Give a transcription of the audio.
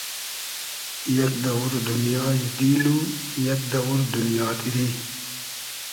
یئگ دئوور دونیای دیل و یئگ دئوور دونیا دیری